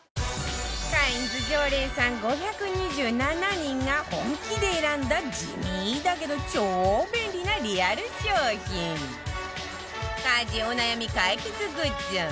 カインズ常連さん５２７人が本気で選んだ地味だけど超便利なリアル商品家事お悩み解決グッズ